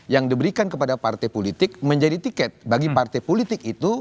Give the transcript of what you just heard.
yang diberikan kepada partai politik menjadi tiket bagi partai politik itu